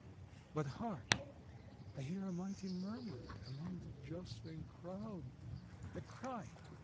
But hark! I hear a mighty murmur among the jostling crowd! A cry!